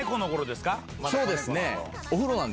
そうですね。